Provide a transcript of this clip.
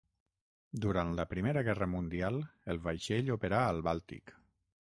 Durant la Primera Guerra Mundial el vaixell operà al Bàltic.